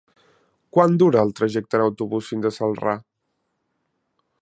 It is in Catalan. Quant dura el trajecte en autobús fins a Celrà?